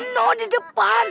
no di depan